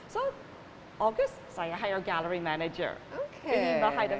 jadi pada agustus saya mengikuti manajer galerinya